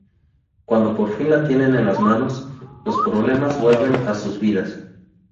Cuando por fin la tienen en las manos, los problemas vuelven a sus vidas.